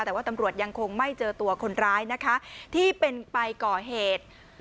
แต่ว่าตำรวจยังคงไม่เจอตัวคนร้ายนะคะที่เป็นไปก่อเหตุ